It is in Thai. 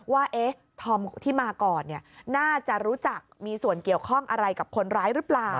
ว่าธอมที่มาก่อนน่าจะรู้จักมีส่วนเกี่ยวข้องอะไรกับคนร้ายหรือเปล่า